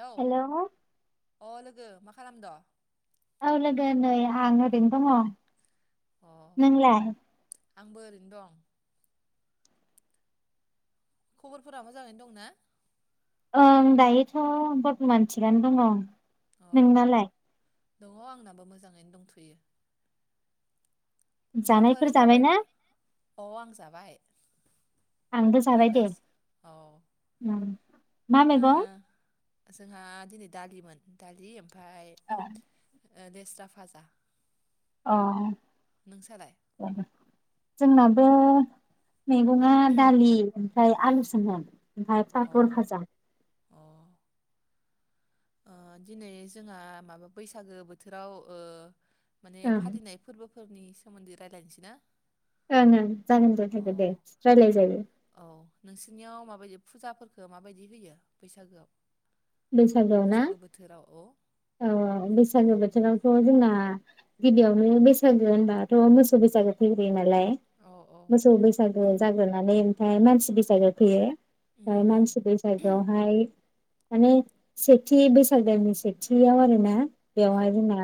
औ हेल' अ लोगो मा खालामद? औ लोगो नै आं ओरैनो दङ'। नोंलााय? आंबो ओरैनो दं। खबरफोरा मोजाङैनो दंना? ओं दायोथ' बरथमान थिगानो दङ। अ नोंनालाय? दङ' आंनाबो मोजाङैनो दंथ'यो। जानायफोर ओंखामफोर जाबायना जाबायबा? अ आं जाबाय। आंबो नै जाबाय दे दासो औ उम। मा ओ मैगं? जोंहा दिनै दालिमोन दालि ओम फाय अ एह देस्रा फाजा औ नों सालाय? जोंनाबो मैगङा दालि फ्राय आलुसोमोन ओमफाय अ फाफर फाजा। अ ओ दिनै जोंहा माबा बैसागो बोथोराव ओ माने ओं फालिनाय फोरबो फो फोरनि सोमोन्दै रायलायनसैना? ओं ओं जागोन दे जोगोन दे रायलाय जायो। नोंसिनियाव माबायदि फुजाफोरखौ माबायदि होयो बैसागोआव? बैस बैसागोआव ना? बैसागो बोथोराव औ औ औ बैसागो बोथोराव थ' जोंना गिबियावनो बैसागो होनबाथ' मोसौ बैसागो फैग्रोयो नालाय औ औ मोसौ बैसागो जाग्रोनानै ओम फाय मानसि बसागो फैयो। उम ओफ्राय उम मानसि बैसागोआवहाय। माने सेथि बैसाग दनि सेथियाव आरो ना। औ बेवहाय दिना।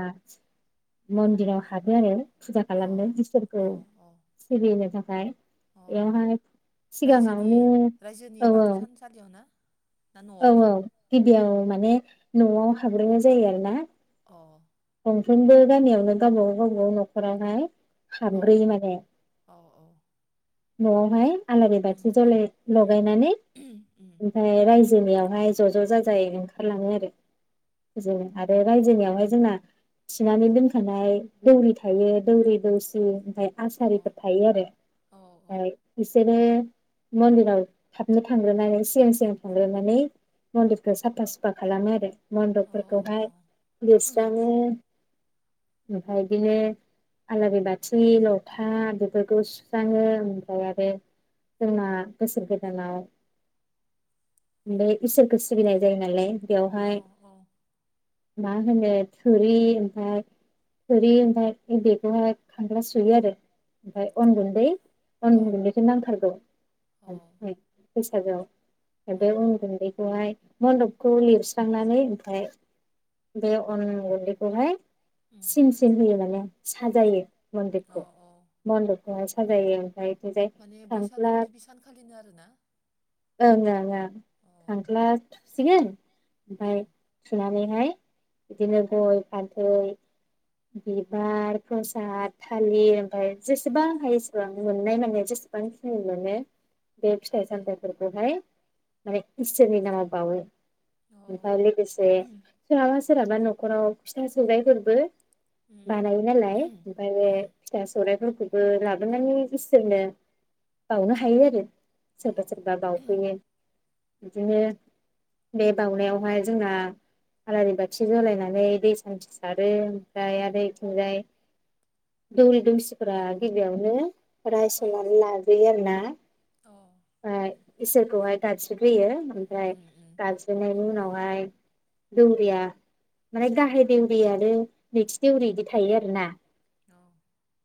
मन्दिराव हाबो आरो। फुजा औ खालामदों औ इसोरखौ औ सिबिनो थाखाय औ बेयावहाय रायजोनि सिगाङावनो रायजोनि औ- बाथौ औ-। थानसालियाव ना ना औ न'आवनो -औ- गुदियाव औ माने न'आव हाब्रोननाय जायो आरो ना। अ मोनफ्रोमबो गामियावनो गावबा गाव गावब गाव न'खराहाय औ -औ -औ-। नवावहाय आलारि उम बाथि उम जाय लगायनानै उम उम ओमफ्राय रायजोआ। बिजनियावहाय ज' ज' जाजाय ओंखारलाङो आरो बिदिनो आरो रायजोनियावहाय जोंना। थिनानै दोनखानाय दौरि थायो दौरि दौसि। ओमफ्राय अ आसारिफोर थायो आरो औ ओमफ्राय बिसोरो- मन्दिराव थाबनो थांग्रोनानै सिगां सिगां थांग्रोनानै मन्दिरखौ साफा सुफा खालामो आरो। अ अ मन्दपफोरखौहाय लिरस्रां- [inaudible] ओमफ्राय बिदिनो आलारि बाथि लथा बेफोरखौ सुस्राङो ओमफ्राय आरो जोंना बोसोर गोदानाव बे इसोरखौ सिबिनाय जायो नालाय। औ औ। माहोनो थुरि ओमफ्राय थुरि ओमफ्राय उन्दखौहाय खांग्रा सुयो आरो ओमफ्फ्राय अन गुन्दै। औ उननि गुन्दैखौ नांथारगौ। औ हाजौ एब अ बुन्दैखौ हाय। मन्दपखौ लिरस्रांनानै ओमफ्राय बेयाव अन गुन्दैखौहाय उम सिम सिन होयो माने साजायो। अ बन्दखौ औ मन्दप ब साजायो ओमफ्राय। माने खांख्ला बैसागोनि गिबि सानखालिनो आरोना ओं ओं ओं अ खांख्ला। सिगां ओमफ्राय सुनानै। है। बिदिनो गय फानथै। बिबार प्रसाद थालिर ओमफाय जेसेबां हायो एसेबां मोननाय माने जेसेबांखि मोनो बे फिथाइ सामथाइफोरखौहाय माने इसोरनि नामाव बावो। अ ओमफाय [unintelligible] अ सोरहाबा न'खराव फिथा सौरायफोरबो रायस बानायो नालाय ओमफाय फिथा सौराइफोरखौ बो लाबोनानै इसोरनो बाउनो हायो आरो सोरबा सोरबा बाउफैयो बिदिनो बे बाउनायावहाय जोंना आलारि बाथि जालायनानै दै सान्थि सारो। जाय आर यैथिंजाय दौरि दुमसिफोरा गिबियावनो रायस'ननानै लाग्रोयो आरो ना फाय। इसोरखौहाय गाबज्रिग्रोयो। ओफ्राय गाबज्रिनायनि उनाव ओमफाय दौरिया माने गाहाय देवरि आरो नैथि देवरि बिदि थायो आरो ना। औ।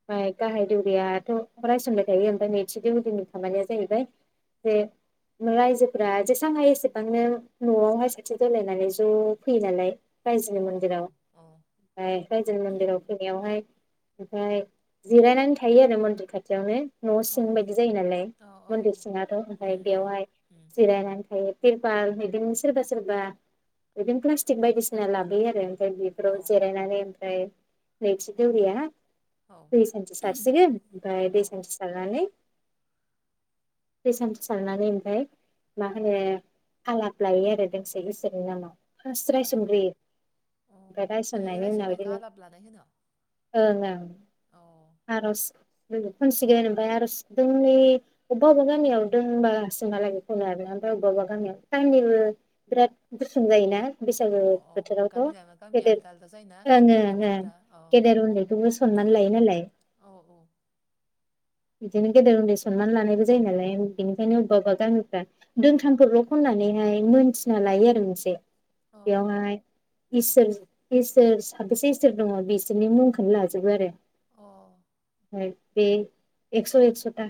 फाय गाहाय दौरियाथ' रायसनबाय थायो ओमफाय नैथि दौरिनि खामानिया जाहैबाय जे रायजोफोरा जेसां हायो एसेबांनो न'आवहाय साखि जलायनानै ज' फैयो नालाय रायजोनि मन्दिराव ओमफाय रायजोनि मन्दिराव फैनायावहाय। [unintelligible] जिरायनानै थायो आरो मन्दिर खाथियावनो न' सिं बायदि जायो नालाय मन्दिर सिङाथ' ओमफ्राय बेवहाय जिरायनानै थायो। तिरपाल बिदिनो सोरबा सोरबा बिदिनो प्लास्टिक बायदिसिना लाबोयो आरो। फ्राय बेफोराव जेरायनानै ओमफ्राय नैथि दौरिया दै सानथि सारसिगोन ओफाय दै सानथि सारनानै दै सान्थि सारनानै ओमफाय मा होनो आलाब लायो आरो दोंसे इसोरनि नामाव फार्स्ट रायसनग्रोयो ओमफ्राय रायसननायनि उनाव होनायखौ इदिनो आलाब लानाय होनो ओ ओं औ आर'ज खनसिगोन ओमफाय आर'ज दोंनै बबबा बबबा गामियाव दोंबासिम हालागै खनो आरो ना अबबा‌ अबबा गामियाव टाइमनिबो बिराद गुसुं जायोना। बैसागो अ अ बोथोरावथ' गामि लाना गामि गेदेर आलदा आलदा जायोना नेमखान्थिफोरा अ [inaudible] गेदेर उन्दैखौबो सनमान लायो नालाय औ औ बिदिनो गेदेर उन्दै सनमान लानायबो जायो नालाय बेनिखायनो अबबा अबबा गामिफ्रा दोंथामफोरल' खननानैहाय मोनथिना लायो आरो मोनसे अ बेयावहाय इसोर इसोर साबेसे इसोर दङ बिसोरनि मुंखोनो लाजोबो आरो अ बे एकस' एकस' था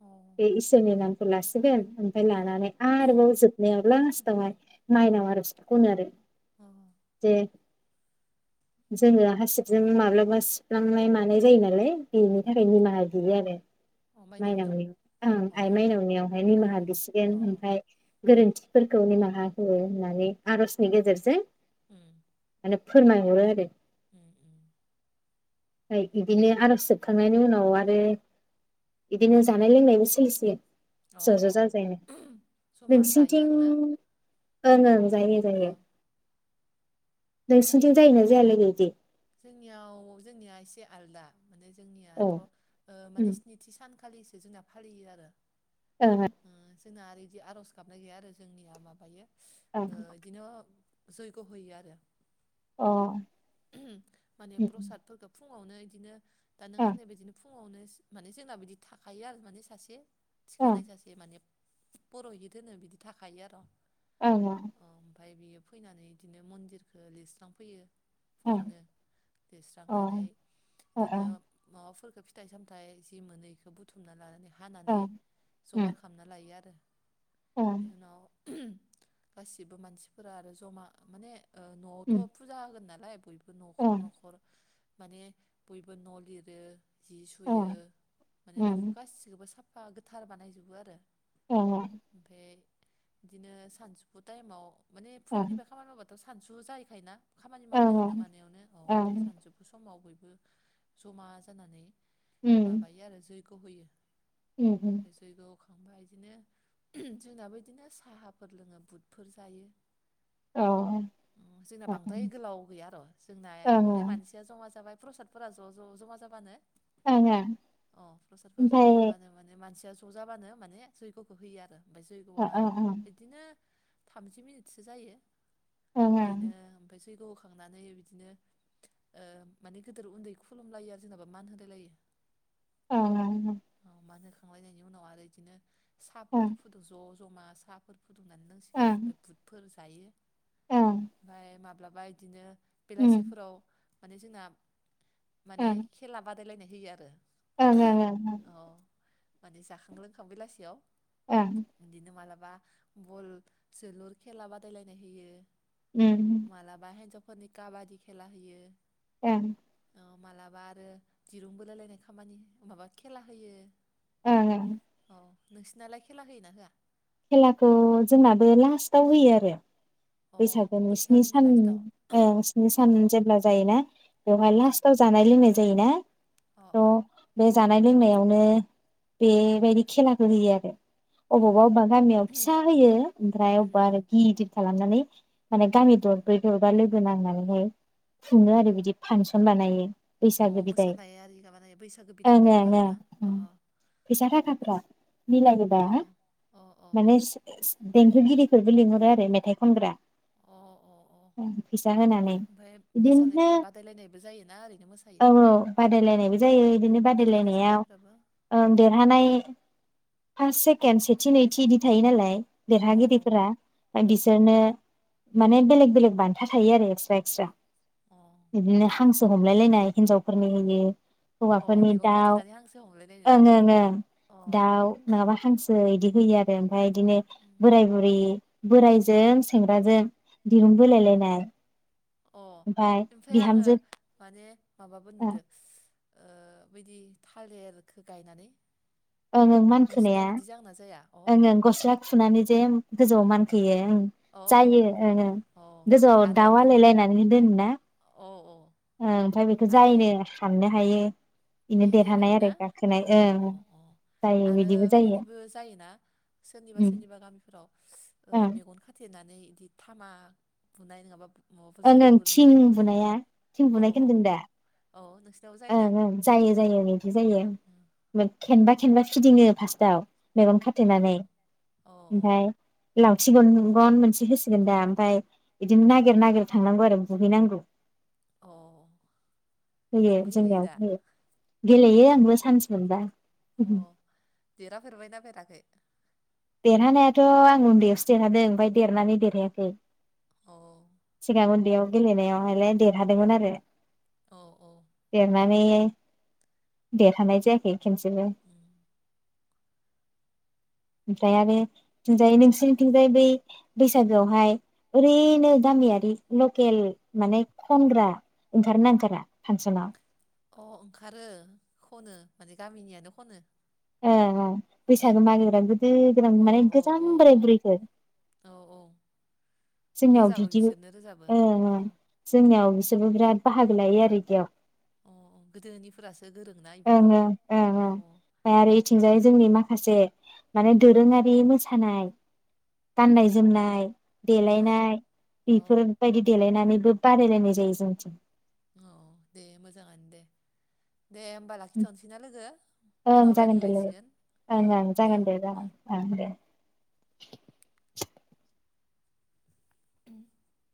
अ बे इसोरनि नाम [unintelligible] ओमफाय लानानै आरबाव जोबनायाव लास्टावहाय माइनाव आरो खनो आरो अ दे जोङो हासिबजों माब्लाबा सिथला थांनाय मानाय जायो नालाय बेनि थाखाय निमाहा बियो आरो माइनावनियाव अ आइ माइनावनियावहाय अ निमाहा बिसिगोन अ ओमफ्राय गोरोन्थि फोरखौ निमाहा होयो होननानै आर'जनि गेजेरजों उम माने फोरमायहरो आरो [inaudible] ओमफ्राय इदिनो आर'ज जोबखांनायनि उनाव आरो बिदिनो जानाय लोंनायबो सोलि सिगन अ ज' ज' अ जाजायनो जमा जायो नोंसिनिथिं आरोना ओं ओं अ जायो-जायो। नोंसिनिथिं जायोना जाया लोगो इदि? जोंनियाव जोंनिया एसे आलदा माने जोंनियाथ' ओ माने स्निथि सानखालि जोंना फालियो आरो उम [unintelligible] जोंना आरो बिदि आर'ज गाबनाय गैया आरो जोंनिया माबायो ओ इदिनो जैग' होयो आरो अ माने प्रसादफोरखौ फुं फुङावनो बिदिनो दा नों होननायायदिनो फुं फुङावनो माने जोंना बिदि थाखायो आरो माने सासे। थिखानाय सासे माने फर'हिद होनो बिदि थाखायो आर'। औ। ओमफ्राय बियो फैनानै बिदिनो मन्दिरखौ लिरस्रांफैयो। फुङावनो लिरस्रांनानै बिदिनो माबाफोरखौ बे फिथाइ सामथाइ जि मोनो बेखौ बुथुमना लानानै हानानै जगार खालामना लायो आरो। बेनि उनाव गासिबो मानसिफोरा आरो जमा माने ओ न'आवथ' फुजा होगोन नाल [unintelligible] बेफोर न'खर न'खर माने बयबो न' लिरो। जि सुयो माने न'खौ गासिखौबो साफ फा गोथार बानायजोबो आरो। बे बिदिनो सानजौफु टाइमाव माने फुंनिफ्राय खामानि मावबाथ' सानसु जाहैखायोना। खामानि मावनायावनो। मानायावनो औ ओमफ्राय सानजौफु समाव बयबो। जमा जानानै माबायो आरो जैग खौ होयो। उम उम। मावखांबा बिदिनो जोंनाबो बिदिनो साहाफोर लोङो बुदफोर जायो। जोंना बांद्राय गोलाव गैया आरो। नाया बि मानसिया जमा। जमा जाबाय प्रसादफोरा ज' ज' ज'मा जाबानो अ प्रसादफोरा जमा जाबानो माने मानसिया ज जाबानो माने जैगखौ होयो आरो ओमफ्राय जैगआ बिदिनो थामजि मिनिटसो जायो। बिदिनो ओमफ्राय जैग होखांनानै बिदिनो ओ माने गोदोर उन्दै खुलुमलायो आरो जोंनाबो मान होलाय लायो। औ औ औ मान होखांलायनायनि उनाव आरो बिदिनो साहाफोर फुदुं ज जमा साफोरखौ फुदुंनानै लोंसिगोन ओमफ्राय बुटफोर जायो ओमफ्राय माब्लाबा बिदिनो बेलासिफोराव माने जोंना माने खेला बाद बादायलायनाय होयो आरो ओं-ओं-ओं-ओं औ माने जाखां लोंखां बेलासियाव बिदिनो माला बा बल जोलुर खेला बादायलायनाय होयो। मालाबा हेनजाव [unintelligible] काबादि खेला होयो। ओं औ मालाबा आरो दिरुं बोलाय लायनाय खामानि माबा खेला होयो। ओं-ओं औ नोंसिनालाय खेला होयोना होआ? खेलाखौ जोंनाबो लास्टाव होयो आरो अ बैसागोनि स्नि सान ओं स्नि सान अ जेब्ला जायोना बेवहाय अ लास्टाव जानाय लोंनाय जायोना अ थ' अ बे जा जानाय लोंनायावनो बेबायदि खेलाखौ होयो आरो अबावबा बा गामियाव फिसा होयो ओमफ्राय उम अबेबा उम आरो गिदिर खालामनानै माने गामि दर उम ब्रै दरबा लोगो होनांनानैहाय खुनो आरो बिदि फांसन बानायो। अ बैसागो बिदाय मोसानाय आरि माबानाय बैसागो बिदाय खालामो ओं-ओं-ओं आरोना अ उम फैसा थाखाफ्रा मिलायो दा अ [unintelligible] अ अ [unintelligible] देंखोगिरिफोरबो लिंहरो आरो मेथाइ खनग्रा। अ अ फैसा होनानै ओमफ्राय बिदिनो मोसानायफोरा बादायलायनायबो जायोना ओरैनो औ मोसायो औ बादायलायनायबो जायो बिदिनो मेथाइ बादायलायनायाव रोजाबनायफोराबो अ ओं देरहानाय फार्स से केन सेथि नै थि इदि थायो नालाय औ औ देरहागिरिफोरा अ अ बिसोरनो माने बेलेग बेलेक बान्था थायो आरो एक्सट्रा एक्सट्रा अ बिदिनो हांसो हमलाय लायनाय हिनजावफोरनि होयो। अ हौवाफोरनि मेगन दाउ खाथेनानै हांसो हमलायनाय ना ओं ओं ओं अ दाउ नङाबा हांसो इदि [unintelligible] ओमफ्राय बिदिनो उम बोराय बुरि बोरायजों सेंग्राजों दिरुं बोलायलायनाय अ ओमफ्राय ओमफाय आङो बिहामजो माने माबाबो ओं नुदो ओ बिदि थालेरखो गायनानै ओं ओं नोंसिना मानखोनाया बिदि जागोना जाया अ ओं ओं गस्ला खुनानै जे गोजौआव मानखोयो। उम अ अ जायो ओं ओं औ गोजौआव आरो दाउ मेगन आलायलायनानै दोनो ना औ औ ओमफ्राय बेखौ आरो जायनो हाननो हायो बेनो इयो देरहानाय देरहायोना आरो गाखोनाय अ ओं अ अ जायो आरो जायो बिदिबो जायोना सोरनिबा उम सोरनिबा गामिफोराव ओ ओं मेगन खाथेनानै बिदि थामा बुनाय नोङाबा ओं ओं थिं बुनाया। थिं बुनायखौ होनदोंदा? अ नोंसिनावबो जायो ना? जायो जायो बिदि जायो। खेनबा खेनबा फिदिङो फार्स्टाव मेगन अ खाथेनानै औ औ ओमफ्राय लावथि गन गन मोनसे होसिगोन दा ओमफ्राय इदिनो नागिर नागिर थांनांगौ आरो बुहैनांगौ। अ होयो नोंबो गेलेयो दा जोंनियाव गेलेयो आंबो सान्स मोनबा। अ देरहाफेरबायना फेराखै? देरहानायाथ' आं उन्दैयावसो देरहादों ओमफ्राय देरनानै अ देरहायाखै। [unintelligible] याव गेलेनायावहायलाय देरहादोंमोन आरो औ औ देरनानै देरहानाय जायाखै। खेनसेबो। उम फ्राय आरो नोंसिनिथिंजाय बै बैसागोआवहाय ओरैनो गामियारि लखेल माने खनग्रा ओंखारगोना ओंखारा फांसनाव? अ ओंखारो खनो माने गामिनियानो खनो। ए उम बैसागो मागायग्रा गोदो गोदान औ माने औ गोजाम बोराय बुरैखो औ औ जोंनियाव रोजाबो बिदि बिसोरनो रोजाबो ओ ओ अ जोंनियाव बिराद बाहागो लायो आरो इदियाव अ गोदोनिफोरासो गोरोंना ओं इफोराव ओं ओं अ ओं आरो इथिंजाय जोंनि मा खासे माने दोरोङारि मोसानाय गाननाय जोमनाय। अ देलायनाय अ बेफोरबायदि देलायनानै बादाय लायनाय जायो जोंनिथिं औ दे मोजां दे। दे होमबा लाखिथ'नोसैनो लोगो उनाव ओं जागोन रायज्लाय दे लोगो लायसिगोन अ ओं ओं दे। जागोन जागोन ओं [inaudible] [inaudible]